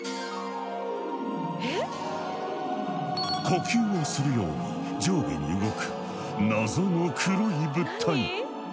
呼吸をするように上下に動く謎の黒い物体。